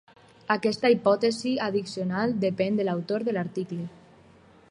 Aquesta hipòtesi addicional depèn de l'autor de l'article.